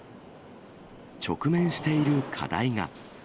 直面している課題が。